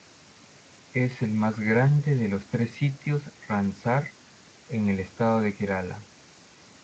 Es el más grande de los tres sitios Ramsar en el estado de Kerala.